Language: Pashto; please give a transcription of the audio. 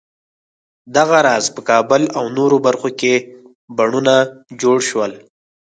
دغه راز په کابل او نورو برخو کې بڼونه جوړ شول.